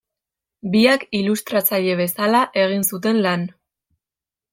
Biak ilustratzaile bezala egin zuten lan.